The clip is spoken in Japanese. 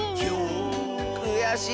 くやしい！